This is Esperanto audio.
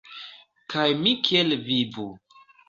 Kaj mi kiel vivu?